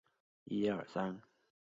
哈局在牡丹江成立铁路分局。